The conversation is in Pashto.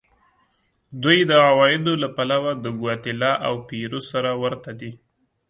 دوی د عوایدو له پلوه د ګواتیلا او پیرو سره ورته دي.